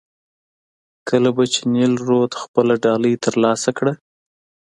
کله به چې نیل رود خپله ډالۍ ترلاسه کړه.